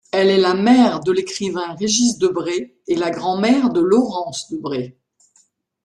Elle est la mère de l'écrivain Régis Debray et la grand-mère de Laurence Debray.